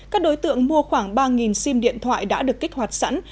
các đối tượng mua khoảng ba sim điện thoại đã được kích hoạt sẵn